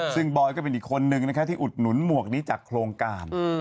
ซึ่งบอยก็เป็นอีกคนนึงนะคะที่อุดหนุนหมวกนี้จากโครงการ